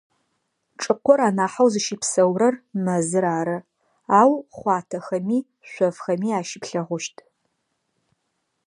Чӏыкъор анахьэу зыщыпсэурэр мэзыр ары, ау хъуатэхэми, шъофхэми ащыплъэгъущт.